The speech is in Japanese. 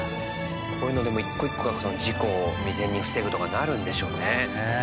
こういうのでも一個一個が事故を未然に防ぐとかになるんでしょうね。